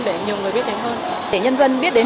để nhiều người biết đến hơn để nhân dân biết đến